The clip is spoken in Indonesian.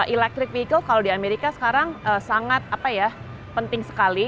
electric vehicle kalau di amerika sekarang sangat penting sekali